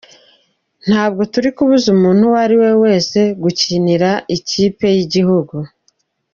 "Ntabwo turi kubuza umuntu uwo ari we wese gukinira ikipe y'igihugu.